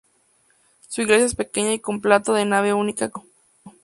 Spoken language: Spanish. Su iglesia es pequeña y con planta de nave única con crucero.